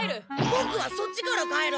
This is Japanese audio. ボクはそっちから帰る！